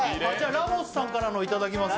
ラモスさんからのいただきます。